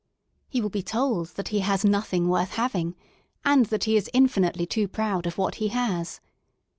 He will be told that he has nothing worth having, and that he is in finitely too proud of what he has.